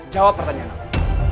jawab pertanyaan aku